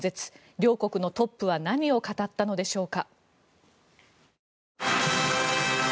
両国のトップは何を語ったのでしょうか。